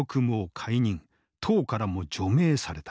党からも除名された。